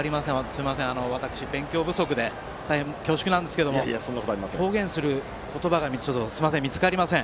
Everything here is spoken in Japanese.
すみません、私勉強不足で大変恐縮なんですが表現する言葉が見つかりません。